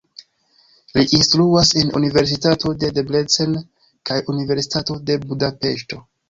Li instruas en universitato de Debrecen kaj Universitato de Budapeŝto.